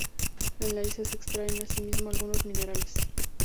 En la isla se extraen asimismo algunos minerales.